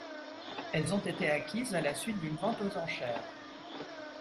Elles ont été acquises à la suite d'une vente aux enchères.